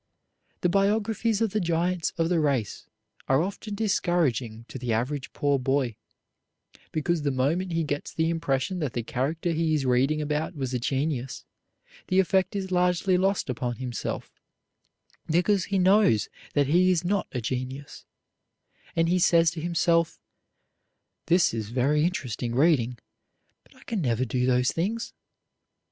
The biographies of the giants of the race are often discouraging to the average poor boy, because the moment he gets the impression that the character he is reading about was a genius, the effect is largely lost upon himself, because he knows that he is not a genius, and he says to himself, "This is very interesting reading, but I can never do those things."